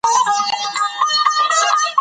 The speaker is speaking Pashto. لښتې ته د بلې نجلۍ خبر خوند ورنه کړ.